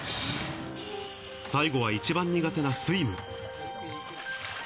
最後は一番苦手なスイム。